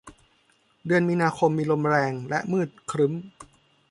เดือนมีนาคมมีลมแรงและมืดครึ้ม